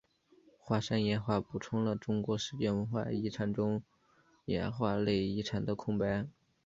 花山岩画填补了中国世界文化遗产中岩画类遗产的空白。